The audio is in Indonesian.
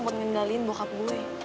buat ngendalikan bokap gue